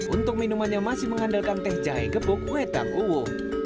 untuk minumannya masih mengandalkan teh jahe gepuk wetang uwo